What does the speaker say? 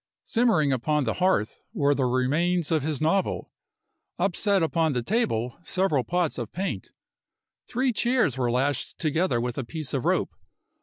Simmering upon the hearth were the remains of his novel; upset upon the table several pots of paint. Three chairs were lashed together with a piece of rope.